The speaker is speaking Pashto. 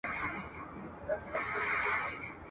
چي یې سرونه د بګړۍ وړ وه ..